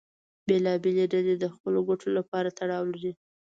بېلابېلې ډلې د خپلو ګټو لپاره تړاو لرلې.